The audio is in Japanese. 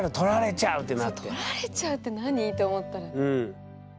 「取られちゃう！」って何って思ったら。